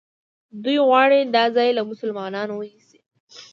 دوی غواړي دا ځای له مسلمانانو ونیسي.